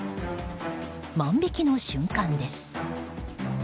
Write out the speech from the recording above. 万引きの瞬間です。